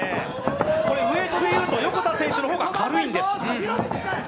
ウエートでいいますと横田選手の方が軽いんです。